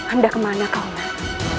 anda kemana kau menang